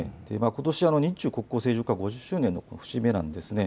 ことしは日中国交正常化５０周年の節目なんです。